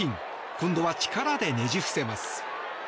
今度は力でねじ伏せます。